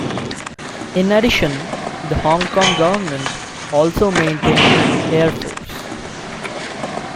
In addition, the Hong Kong Government also maintained an "airforce".